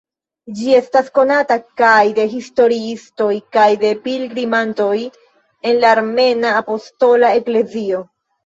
Ĝi estas konata kaj de historiistoj kaj de pilgrimantoj de la Armena Apostola Eklezio.